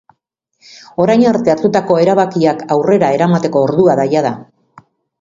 Orain arte hartutako erabakiak aurrera eramateko ordua da jada.